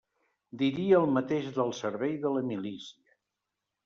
Diria el mateix del servei de la milícia.